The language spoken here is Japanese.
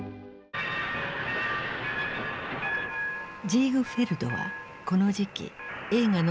ジーグフェルドはこの時期映画の都